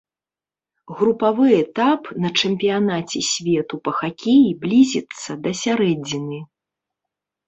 Групавы этап на чэмпіянаце свету па хакеі блізіцца да сярэдзіны.